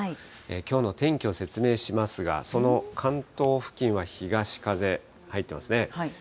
きょうの天気を説明しますが、その関東付近は東風、入ってますね。